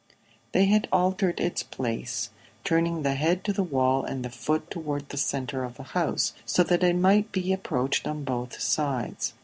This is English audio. They had altered its place, turning the head to the wall and the foot toward the centre of the house, so that it might be approached on both sides.